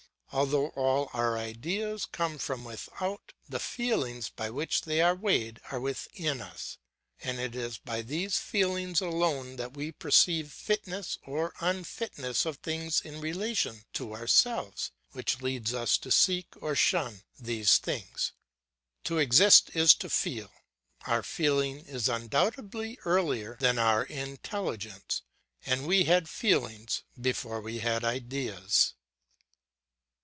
Although all our ideas come from without, the feelings by which they are weighed are within us, and it is by these feelings alone that we perceive fitness or unfitness of things in relation to ourselves, which leads us to seek or shun these things. To exist is to feel; our feeling is undoubtedly earlier than our intelligence, and we had feelings before we had ideas.